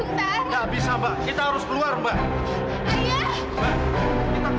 mbak mbak kita harus keluar sekejap